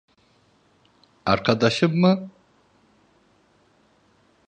Arkadaşım mı?